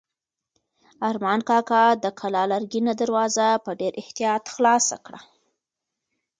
ارمان کاکا د کلا لرګینه دروازه په ډېر احتیاط خلاصه کړه.